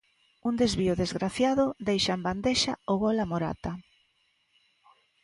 Un desvío desgraciado deixa en bandexa o gol a Morata.